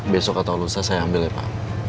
besok atau lusa saya ambil ya pak